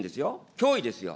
脅威ですよ。